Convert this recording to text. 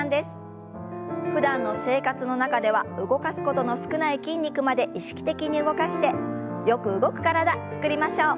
ふだんの生活の中では動かすことの少ない筋肉まで意識的に動かしてよく動く体つくりましょう。